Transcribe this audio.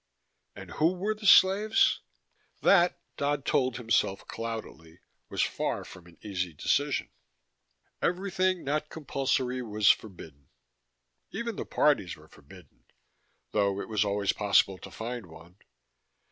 And who were the slaves? That, Dodd told himself cloudily, was far from an easy decision. Everything not compulsory was forbidden. Even the parties were forbidden ... though it was always possible to find one.